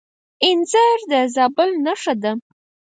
انځر د زابل نښه ده.